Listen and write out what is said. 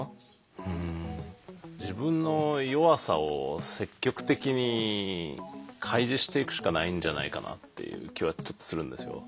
うん自分の弱さを積極的に開示していくしかないんじゃないかなっていう気はちょっとするんですよ。